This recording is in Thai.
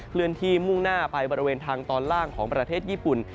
เลื่อนที่มุ่งหน้าไปบริเวณทางตอนล่างของประเทศญี่ปุ่น